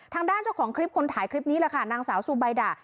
ทางด้านเจ้าของคลิปคนถ่ายคลิปนี้แหละค่ะนางสาวสุบัยด่า